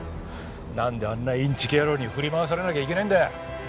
なんであんなインチキ野郎に振り回されなきゃいけねえんだよ！